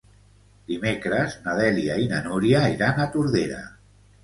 Dimecres na Dèlia i na Núria iran a Tordera.